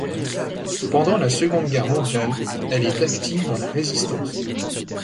Pendant la Seconde Guerre mondiale, elle est active dans la Résistance.